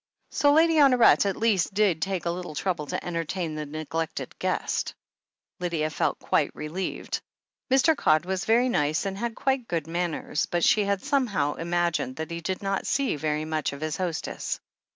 So Lady Honoret, at least, did take a little trouble to entertain the neglected guest ! Lydia felt quite relieved. Mr. Codd was very nice, and had quite good manners, but she had somehow imagined that he did not see very much of his hostess.